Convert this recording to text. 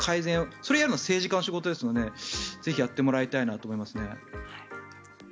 それをやるのも政治家の仕事をぜひ、やってもらいたいなと思いますね。